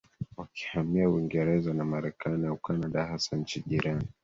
wakihamia Uingereza na Marekani au Kanada hasa nchi jirani